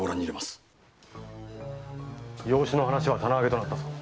養子の話は棚上げとなったぞ。